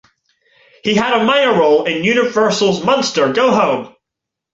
He had a minor role in Universal's Munster, Go Home!